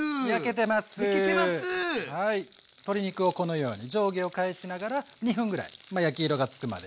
鶏肉をこのように上下を返しながら２分ぐらい焼き色が付くまで。